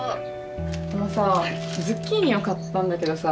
あのさズッキーニを買ったんだけどさ。